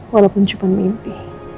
walaupun cuma mimpi